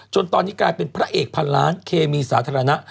ตอนนี้กลายเป็นพระเอกพันล้านเคมีสาธารณะ